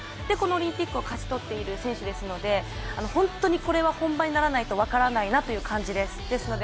で、このオリンピックをかち取っている選手ですので本当にこれは本番にならないと分からないなという感じです。